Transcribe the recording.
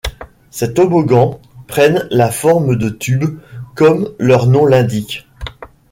Ces toboggans prennent la forme de tubes, comme leur nom l'indique.